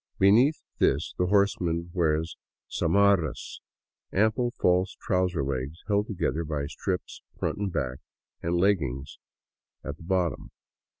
Beneath this the horseman wears zamarras, ample false trouser legs held together by strips front and back, and legging like at the bottom.